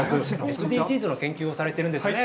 ＳＤＧｓの研究をされてるんですね。